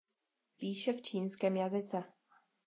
Píše v čínském jazyce.